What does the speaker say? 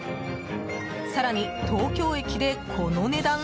更に、東京駅でこの値段？